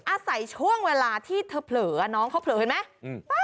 อาศัยช่วงเวลาที่เธอเผลอน้องเขาเผลอเห็นไหม